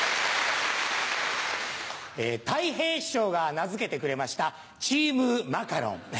たい平師匠が名付けてくれましたチームマカロン。